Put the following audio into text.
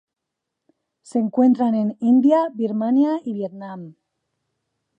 Se encuentra en India, Birmania, y Vietnam.